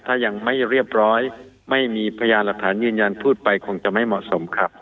ถ้ายังไม่เรียบร้อยไม่มีพยานหลักฐานยืนยันพูดไปคงจะไม่เหมาะสมครับ